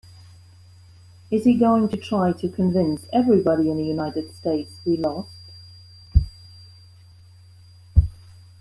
Is he going to try to convince everybody in the United States we lost?